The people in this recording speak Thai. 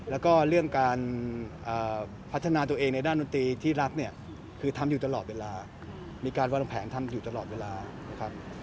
แล้วก็เรื่องการพัฒนาตัวเองในด้านดนตรีที่รักเนี่ยคือทำอยู่ตลอดเวลามีการวางแผนทำอยู่ตลอดเวลานะครับ